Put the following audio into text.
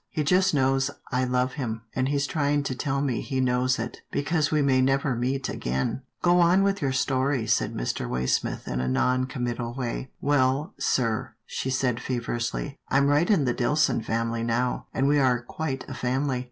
. He just knows I love him, and he's trying to tell me he knows it, because we may never meet again." " Go on with your story," said Mr. Waysmith in a non committal way. " Well, sir," she said feverishly, " I'm right in the Dillson family now, and we are quite a family.